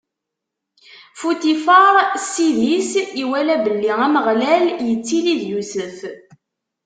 Futifaṛ, ssid-is, iwala belli Ameɣlal ittili d Yusef.